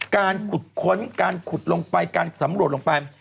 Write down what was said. การขุดค้นการขุดลงไปการสำรวจลงไป